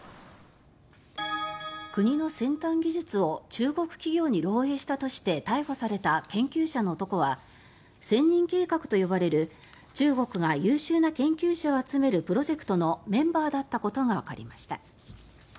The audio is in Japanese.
国の先端技術を中国企業に漏えいしたとして逮捕された研究者の男は千人計画と呼ばれる中国が優秀な研究者を集めるプロジェクトのメンバーだったことがわかりました。